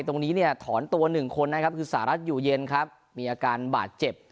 ตรงนี้เนี่ยถอนตัวหนึ่งคนนะครับคือสหรัฐอยู่เย็นครับมีอาการบาดเจ็บ